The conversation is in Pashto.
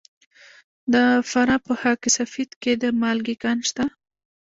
د فراه په خاک سفید کې د مالګې کان شته.